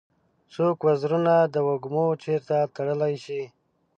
څوک وزرونه د وږمو چیري تړلای شي؟